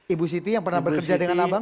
ibu siti yang pernah bekerja dengan abang